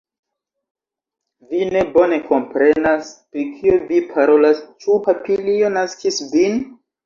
Vi ne bone komprenas pri kio vi parolas, ĉu papilio naskis vin?